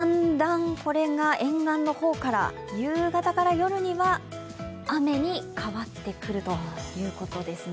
午後、だんだん、これが沿岸の方から夕方から夜には雨に変わってくるということですね。